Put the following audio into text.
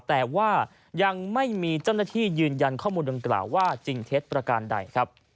แต่ว่ายังไม่มีเจ้าหน้าที่ยืนยันข้อมูลดังกล่าวว่าจริงเท็จประการใดครับ